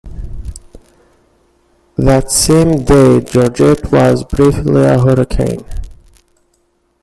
That same day, Georgette was briefly a hurricane.